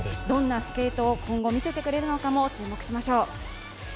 どんなスケートを今後見せてくれるのかも注目しましょう。